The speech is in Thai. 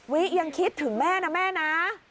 วิยังคิดถึงแม่นะแม่นะ